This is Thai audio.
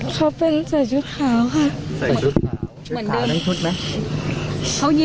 เขายิ้มให้หนูอยู่ไหมตอนนี้